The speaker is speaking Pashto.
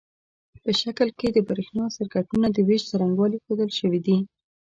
په شکل کې د برېښنا سرکټونو د وېش څرنګوالي ښودل شوي دي.